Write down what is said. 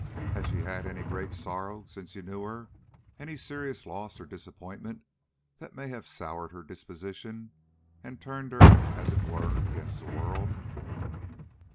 "Has she had any great sorrow since you knew her any serious loss or disappointment that may have soured her disposition, and turned her, as it were, against the world?"